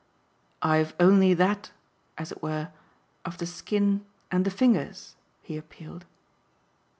"I've only that as it were of the skin and the fingers?" he appealed.